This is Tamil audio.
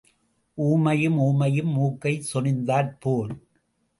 ஊமையும் ஊமையும் மூக்கைச் சொறிந்தாற் போல்.